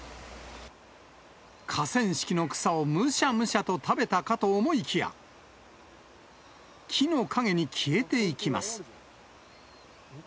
河川敷の草をむしゃむしゃと食べたかと思いきや、木の陰に消えていきます。